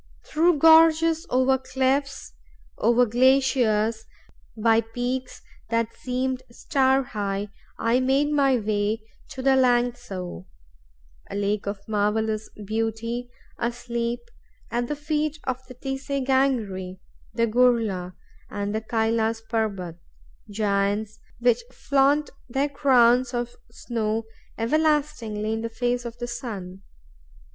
Through gorges, over cliffs, across glaciers, by peaks that seemed star high, I made my way to the Lang Tso, a lake of marvellous beauty, asleep at the feet of the Tise Gangri, the Gurla, and the Kailas Parbot, giants which flaunt their crowns of snow everlastingly in the face of the sun.